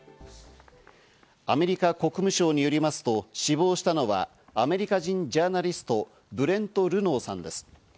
アメリカ国務省によりますと死亡したのはアメリカ人ジャーナリスト、ブレント・ルノーさんです。